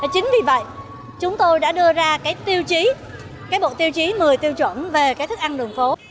chính vì vậy chúng tôi đã đưa ra bộ tiêu chí một mươi tiêu chuẩn về thức ăn đường phố